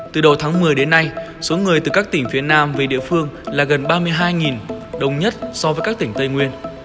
từ đầu tháng một mươi đến nay số người từ các tỉnh phía nam về địa phương là gần ba mươi hai đồng nhất so với các tỉnh tây nguyên